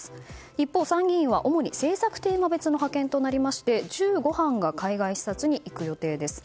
一方、参議院は主に政策テーマ別の派遣となり１５班が海外視察に行く予定です。